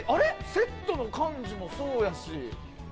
セットの感じもそうやし。